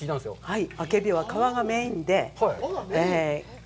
はい。